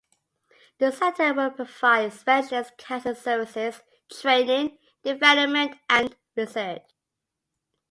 The centre will provide specialist cancer services, training, development and research.